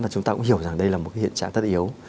và chúng ta cũng hiểu rằng đây là một cái hiện trạng rất yếu